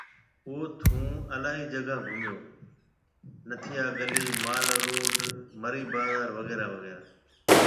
اوٿ هون الاهي جگه گھميو، نٿيا گلي، مال روڊ، مري بازار وغيره وغيره